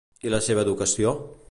I la seva educació?